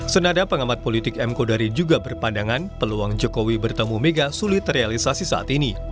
senada pengamat politik m kodari juga berpandangan peluang jokowi bertemu mega sulit terrealisasi saat ini